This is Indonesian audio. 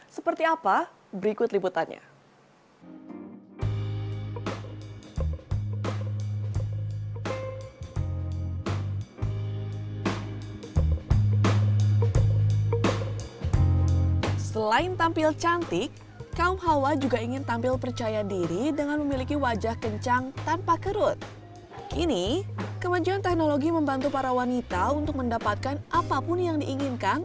seperti apa berikut liputannya